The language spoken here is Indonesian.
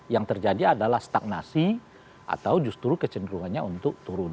yang terjadi adalah stagnasi atau justru kecenderungannya untuk turun